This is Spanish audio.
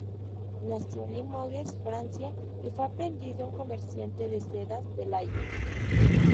Nació en Limoges, Francia, y fue aprendiz de un comerciante de sedas de Lyon.